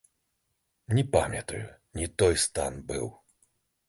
Не памятаю, не той стан быў.